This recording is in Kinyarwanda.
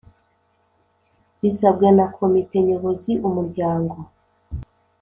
Bisabwe na komite Nyobozi umuryango